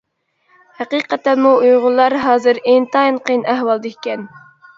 ھەقىقەتەنمۇ ئۇيغۇرلار ھازىر ئىنتايىن قىيىن ئەھۋالدا ئىكەن.